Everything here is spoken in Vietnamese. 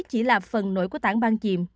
chỉ là phần nổi của tảng ban chìm